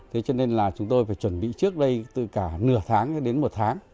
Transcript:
thế cho nên là chúng tôi phải chuẩn bị trước đây từ cả nửa tháng cho đến một tháng